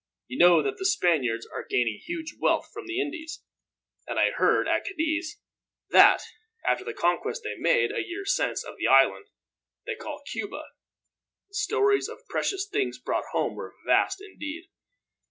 You know that the Spaniards are gaining huge wealth from the Indies, and I heard at Cadiz that, after the conquest they made, a year since, of the island they call Cuba, the stores of precious things brought home were vast indeed.